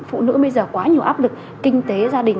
phụ nữ bây giờ quá nhiều áp lực kinh tế gia đình